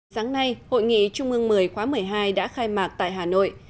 sáng nay hội nghị trung ương một mươi khóa một mươi hai đã khai mạc tại hà nội